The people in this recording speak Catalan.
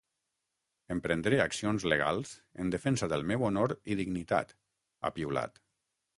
Emprendré accions legals, en defensa del meu honor i dignitat, ha piulat.